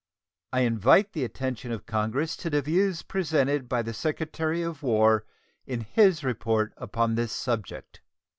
I invite the attention of Congress to the views presented by the Secretary of War in his report upon this subject.